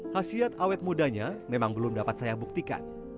hasiat awet mudanya memang belum dapat saya buktikan